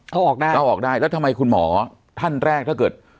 เอาออกได้เอาออกได้แล้วทำไมคุณหมอท่านแรกถ้าเกิด